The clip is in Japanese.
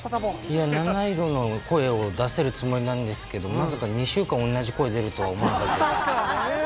いや、七色の声を出せるつもりなんですけど、まさか２週間同じ声が出ると思わなかったです。